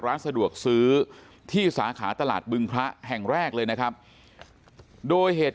ร้านสะดวกซื้อที่สาขาตลาดบึงพระแห่งแรกเลยนะครับโดยเหตุ